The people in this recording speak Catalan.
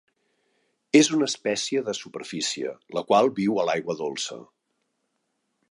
És una espècie de superfície, la qual viu a l'aigua dolça.